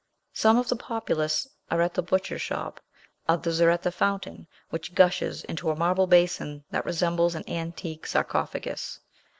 Some of the populace are at the butcher's shop; others are at the fountain, which gushes into a marble basin that resembles an antique sarcophagus.